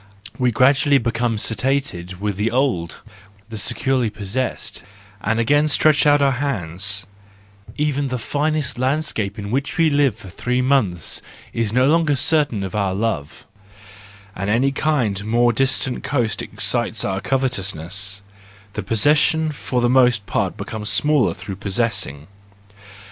We gradually become satiated with the old, the securely possessed, and again stretch out our hands ; even the finest landscape in which we live for three months is no longer certain of our love, and any kind of more distant coast excites our covetousness: the possession for the most part becomes smaller through possessing.